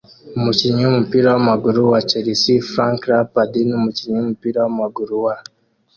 Umukinnyi wumupira wamaguru wa Chelsea (Frank Lampard) numukinnyi wumupira wamaguru wa